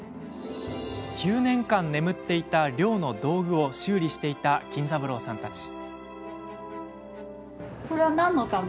９年間眠っていた漁の道具を修理していた金三郎さんたち。